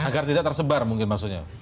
agar tidak tersebar mungkin maksudnya